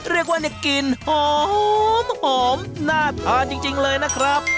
เรียกว่ากลิ่นหอมน่าทานจริงเลยนะครับ